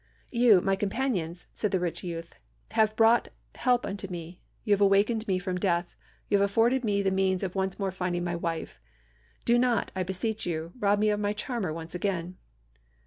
'You, my companions,' said the rich youth, 'have brought help unto me; you have awakened me from death; you have afforded me the means of once more finding my wife. Do not, I beseech you, rob me of my charmer once again.'